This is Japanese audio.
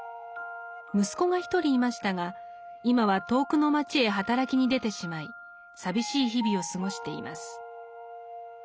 息子が一人いましたが今は遠くの町へ働きに出てしまい寂しい日々を過ごしています。